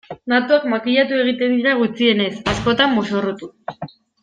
Datuak makillatu egiten dira gutxienez, askotan mozorrotu.